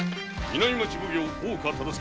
南町奉行大岡忠相である。